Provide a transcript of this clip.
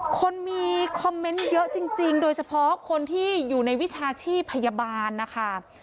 คนมีคอมเมนต์เยอะจริงโดยเฉพาะคนที่อยู่ในวิชาชีพพยาบาลนะคะ